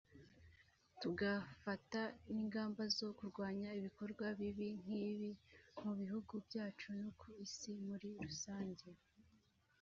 tugafata n’ingamba zo kurwanya ibikorwa bibi nk’ibi mu bihugu byacu no ku isi muri rusange